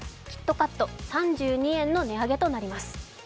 キットカット、３２円の値上げとなります。